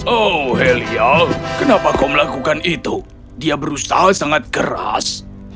oh helia kenapa kau melakukan itu dia berusaha sangat keras